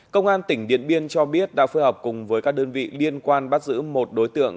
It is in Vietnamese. công an tỉnh điện biên cho biết đã phơi hợp cùng với các đơn vị liên quan bắt giữ một đối tượng